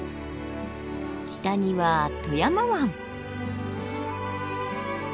北には富山湾。